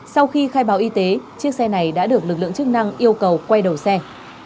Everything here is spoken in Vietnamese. sau khi khai báo y tế chiếc xe này đã được lực lượng chức năng yêu cầu quay đầu xe